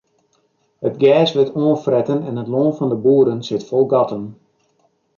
It gers wurdt oanfretten en it lân fan de boeren sit fol gatten.